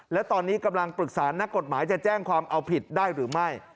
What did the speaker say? และตอนนี้กำลังปรึกษานักกฎหมายจะแจ้งความเอาผิดได้หรือไม่